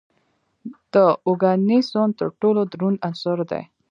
د اوګانیسون تر ټولو دروند عنصر دی.